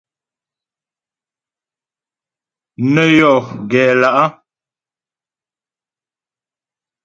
Nə́ yɔ gɛ lá'.